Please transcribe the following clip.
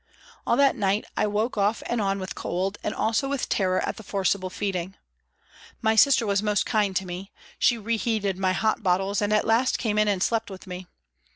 All that night I woke off and on with cold, and also with terror at the forcible feeding. My sister was most kind to me ; she reheated my hot bottles and at last came and slept with me.